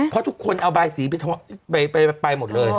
เพราะทุกคนเอาบายสีไปหมดเลย